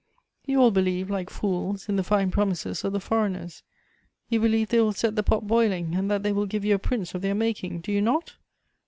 You all believe, like fools, in the fine promises of the foreigners; you believe they will set the pot boiling, and that they will give you a prince of their making, do you not?